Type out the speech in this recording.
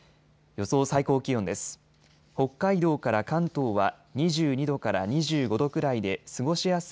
予想最高気温です。